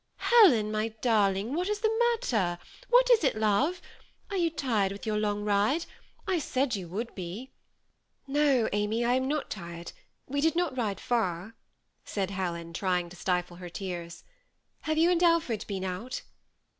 " Helen, my darling, what is the matter ? what is it, love ? Are you tired with your long ride ? I said you would be." " No, Amy, I am not tired ; we did not ride far," said Helen, trying to stifle her tears. " Have you and Alfred been out?"